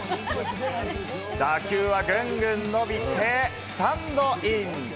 打球はぐんぐん伸びてスタンドイン。